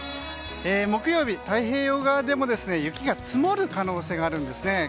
木曜日、太平洋側でも雪が積もる可能性があるんですね。